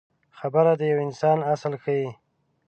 خبره د یو انسان اصل ښيي.